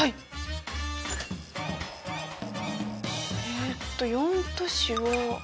えっと４都市は。